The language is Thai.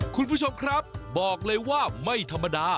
คุณผู้ชมครับบอกเลยว่าไม่ธรรมดา